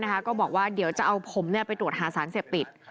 ก็บอกว่าเดี๋ยวจะเอาผมไปตรวจหาสารเสพติด